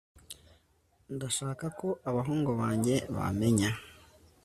ndashaka ko abahungu banjye bamenya